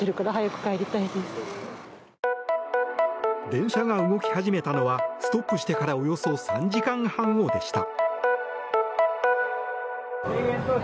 電車が動き始めたのはストップしてからおよそ３時間半後でした。